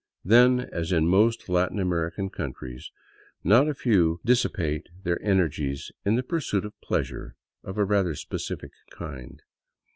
Then, as in most Latin American countries, not a few dissipate their energies in the " pursuit of pleasure " of a rather specific kind.